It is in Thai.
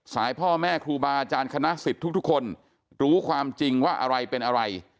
พ่อแม่ครูบาอาจารย์คณะสิทธิ์ทุกคนรู้ความจริงว่าอะไรเป็นอะไร